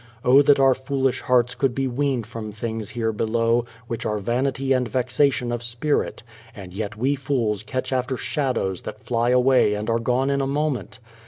O that our foolish hearts could be weaned from things here below, which are vanity and vexation of spirit ; and yet we fools catch after shadows that fly away and are gone in a moment!